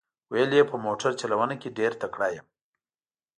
ویل یې په موټر چلونه کې ډېر تکړه یم.